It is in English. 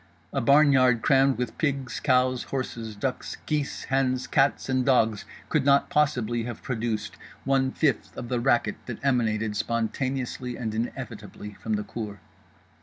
A barnyard crammed with pigs, cows, horses, ducks, geese, hens, cats and dogs could not possibly have produced one fifth of the racket that emanated, spontaneously and inevitably, from the cour.